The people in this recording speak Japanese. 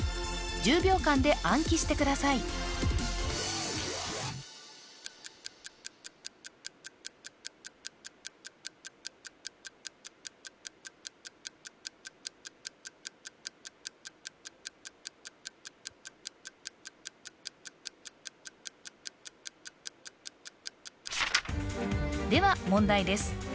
１０秒間で暗記してくださいでは問題です